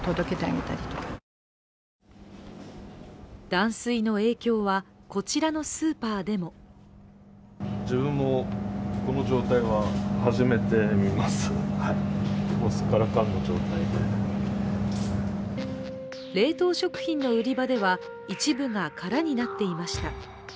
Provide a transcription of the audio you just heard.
断水の影響はこちらのスーパーでも冷凍食品の売り場では一部が空になっていました。